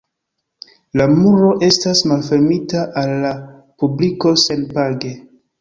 La muro estas malfermita al la publiko senpage.